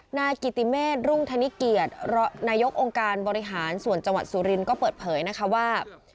นายกิติเมฆรุ่งธนิเกียรตินายกองค์การบริหารส่วนจังหวัดสุรินทร์ก็เปิดเผยนะคะว่า